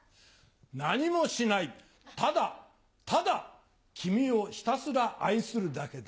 何もしないただただ君をひたすら愛するだけだ。